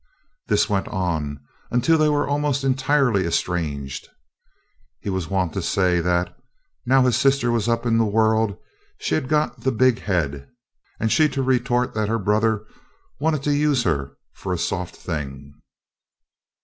This went on until they were almost entirely estranged. He was wont to say that "now his sister was up in the world, she had got the big head," and she to retort that her brother "wanted to use her for a 'soft thing.'"